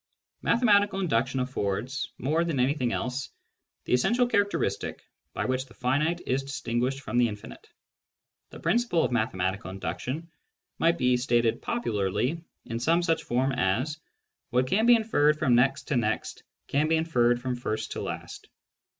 Mathematical induction affords, more than anything else, the essential characteristic by which the finite is distinguished from the infinite. The principle of mathematical induction might be stated popularly in some such form as " what can be inferred from next to next can be inferred from first to last."